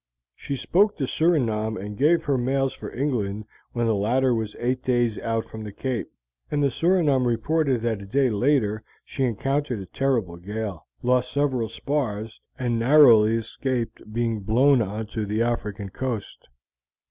She spoke the Surinam and gave her mails for England when the latter was eight days out from the Cape, and the Surinam reported that a day later she encountered a terrible gale, lost several spars, and narrowly escaped being blown onto the African coast.